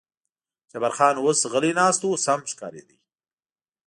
جبار خان اوس غلی ناست و، سم ښکارېده.